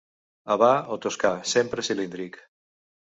Havà o toscà, sempre cilíndric.